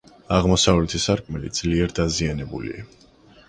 აღმოსავლეთი სარკმელი ძლიერ დაზიანებულია.